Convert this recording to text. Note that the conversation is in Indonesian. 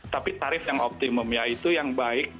tapi tarif yang optimum yaitu yang baik